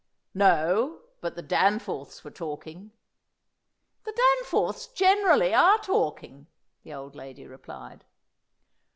"No; but the Danforths were talking." "The Danforths generally are talking," the old lady replied.